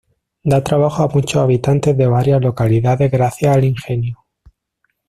Da trabajo a muchos habitantes de varias localidades gracias al Ingenio.